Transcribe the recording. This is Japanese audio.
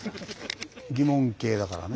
疑問形だからね。